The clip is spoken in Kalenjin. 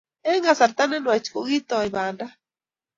Eng kasarta ne nwach kokitoi banda